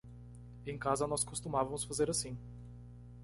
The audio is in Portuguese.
Em casa nós costumávamos fazer assim.